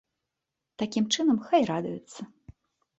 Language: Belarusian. Такім чынам, хай радуюцца.